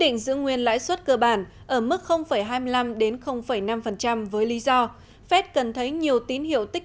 định giữ nguyên lãi suất cơ bản ở mức hai mươi năm năm với lý do fed cần thấy nhiều tín hiệu tích